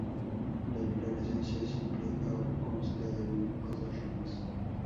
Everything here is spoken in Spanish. La inflorescencia es simple o consta de uno o dos ramas.